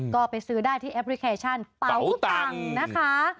ก็ไปซื้อได้ที่แอปพลิเคชันเป๋าตังค์นะคะ